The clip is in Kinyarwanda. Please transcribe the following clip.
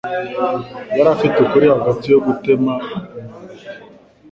Yari afite ukuri hagati yo gutema imyumbati.